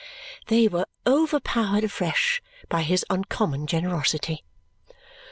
They were overpowered afresh by his uncommon generosity.